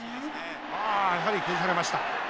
ああやはり崩されました。